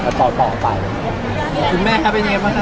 คุณแม่ครับเป็นยังไงบ้างครับ